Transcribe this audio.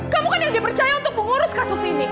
kamu kan yang dipercaya untuk mengurus kasus ini